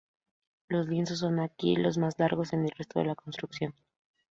Los lienzos son aquí más largos que en el resto de la construcción.